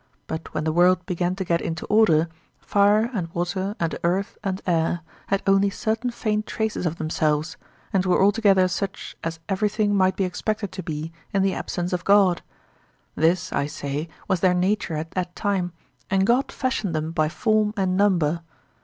But when the world began to get into order, fire and water and earth and air had only certain faint traces of themselves, and were altogether such as everything might be expected to be in the absence of God; this, I say, was their nature at that time, and God fashioned them by form and number.